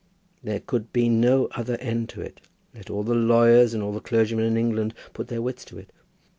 There could be no other end to it, let all the lawyers and all the clergymen in England put their wits to it.